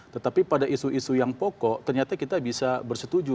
tetapi pada isu isu yang pokok ternyata kita bisa bersetuju